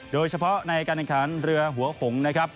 โดยเฉพาะในการดันขันเรือหัวหงต์